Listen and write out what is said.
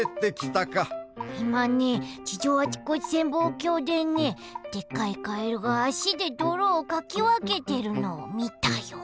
いまね地上あちこち潜望鏡でねでっかいカエルがあしでどろをかきわけてるのをみたよ！